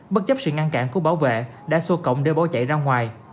bất chấp sự ngăn cản của bảo vệ đã xô cộng để bỏ chạy ra ngoài